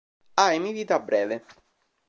Ha emivita breve.